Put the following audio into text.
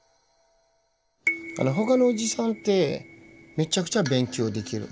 他のおじさんってめちゃくちゃ勉強できる。